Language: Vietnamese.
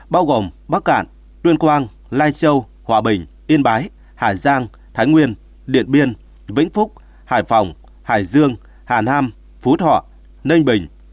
bao gồm bắc cạn tuyên quang lai châu hòa bình yên bái hà giang thái nguyên điện biên vĩnh phúc hải phòng hải dương hà nam phú thọ ninh bình